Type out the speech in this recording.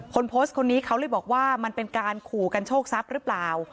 คนโพสต์คนนี้เขาเลยบอกว่ามันเป็นการขู่กันโชคทรัพย์หรือเปล่า